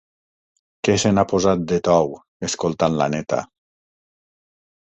Que se n'ha posat de tou, escoltant la neta!